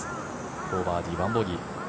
４バーディー、１ボギー。